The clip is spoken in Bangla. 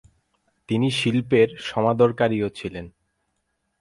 তিনি শিল্পের সমাদরকারীও ছিলেন।